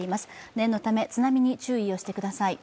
念のため津波に注意をしてください。